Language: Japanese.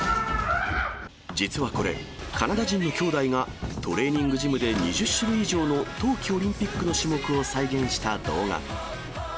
実はこれ、カナダ人の兄弟がトレーニングジムで２０種類以上の冬季オリンピックの種目を再現した動画。